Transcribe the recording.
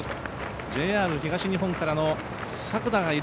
ＪＲ東日本からの作田がいる。